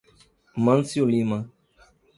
Mâncio Lima